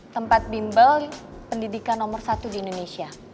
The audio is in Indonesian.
tempat bimbel pendidikan nomor satu di indonesia